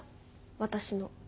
私の。